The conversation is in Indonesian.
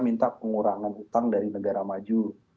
minta pengurangan utang dari negara maju